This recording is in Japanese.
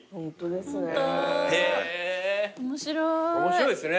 面白いですね。